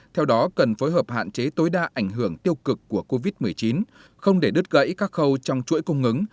theo đó cần phối hợp hạn chế tối đa ảnh hưởng tiêu cực của covid một mươi chín không để đứt gãy các khâu trong chuỗi cung ứng